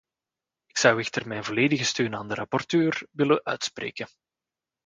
Ik zou echter mijn volledige steun aan de rapporteur willen uitspreken.